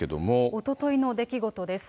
おとといの出来事です。